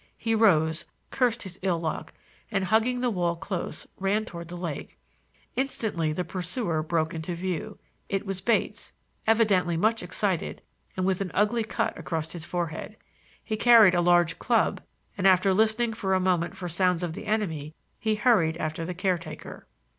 He rose, cursed his ill luck and, hugging the wall close, ran toward the lake. Instantly the pursuer broke into view. It was Bates, evidently much excited and with an ugly cut across his forehead. He carried a heavy club, and, after listening for a moment for sounds of the enemy, he hurried after the caretaker.